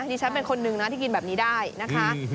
ดิฉันเป็นคนนึงนะที่กินแบบนี้ได้นะคะ